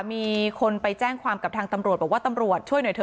มีคนไปแจ้งความกับทางตำรวจบอกว่าตำรวจช่วยหน่อยเถ